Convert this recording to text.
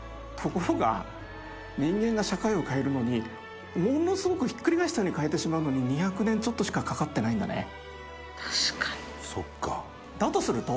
ところが人間が社会を変えるのにものすごくひっくり返したように変えてしまうのに２００年ちょっとしかかかってないんだね。